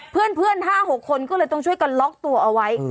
เพื่อน๕๖คนก็เลยต้องช่วยกันล็อกตัวเอาไว้